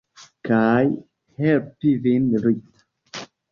Kaj helpi vin, Rita?